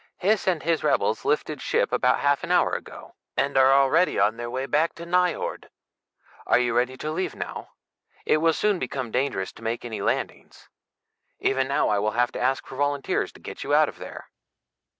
Hys and his rebels lifted ship about half an hour ago, and are already on the way back to Nyjord. Are you ready to leave now? It will soon become dangerous to make any landings. Even now I will have to ask for volunteers to get you out of there."